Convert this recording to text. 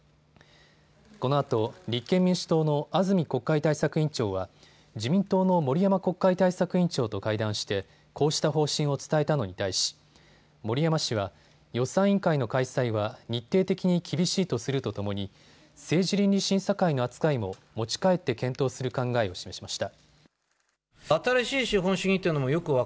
このあと立憲民主党の安住国会対策委員長は自民党の森山国会対策委員長と会談して、こうした方針を伝えたのに対し森山氏は予算委員会の開催は日程的に厳しいとするとともに政治倫理審査会の扱いも持ち帰って検討する考えを示しました。